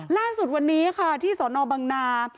ล่าสุดวันนี้ค่ะที่สนบังนา